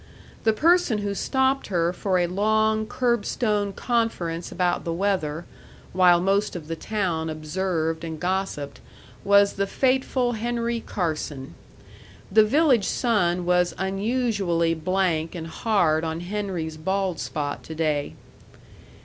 The person who stopped her for a long curbstone conference about the weather, while most of the town observed and gossiped, was the fateful Henry Carson. The village sun was unusually blank and hard on Henry's bald spot to day.